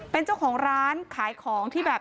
เป็นเจ้าของร้านขายของที่แบบ